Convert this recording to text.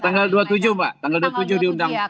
tanggal dua puluh tujuh mbak tanggal dua puluh tujuh diundang